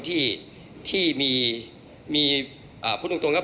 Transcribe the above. มีการที่จะพยายามติดศิลป์บ่นเจ้าพระงานนะครับ